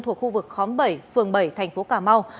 thuộc khu vực khóm bảy phường bảy tp cà mau